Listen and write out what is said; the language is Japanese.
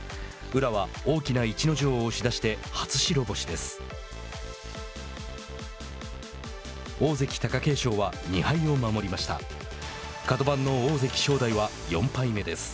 宇良は大きな逸ノ城を押し出して、初白星です。